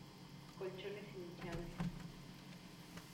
Colchones hinchables.